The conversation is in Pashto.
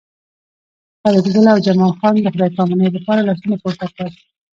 فریدګل او جمال خان د خدای پامانۍ لپاره لاسونه پورته کړل